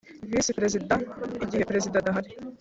Visi Perezida igihe Perezida adahari